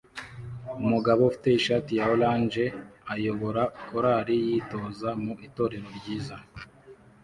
Umugabo ufite ishati ya orange ayobora korari yitoza mu itorero ryiza